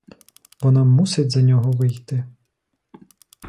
Вона мусить за нього вийти!